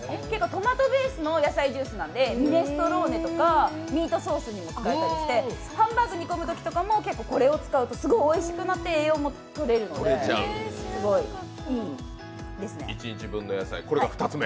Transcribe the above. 結構トマトベースの野菜ジュースなんでミネストローネとかミートソースにも使えたりして、ハンバーグを煮込むときにもこれを使うとすごいおいしくなって栄養もとれるのですごい、いいですね。